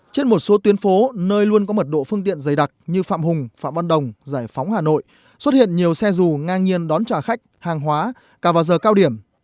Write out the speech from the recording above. trên một số tuyến phố nơi luôn có mật độ phương tiện dày đặc như phạm hùng phạm văn đồng giải phóng hà nội xuất hiện nhiều xe dù ngang nhiên đón trả khách hàng hóa cả vào giờ cao điểm